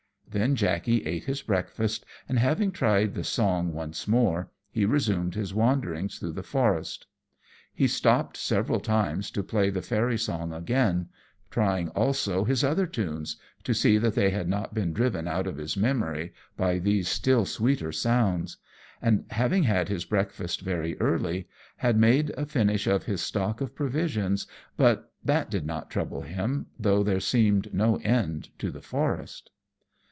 Then Jackey ate his breakfast, and having tried the song once more, he resumed his wanderings through the forest. He stopped several times to play the fairy song again, trying also his other tunes, to see that they had not been driven out of his memory by these still sweeter sounds; and having had his breakfast very early, had made a finish of his stock of provisions, but that did not trouble him, though there seemed no end to the forest.